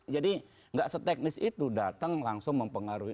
nggak seteknis itu datang langsung mempengaruhi